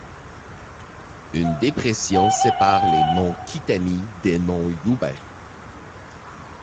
Une dépression sépare les monts Kitami des monts Yūbari.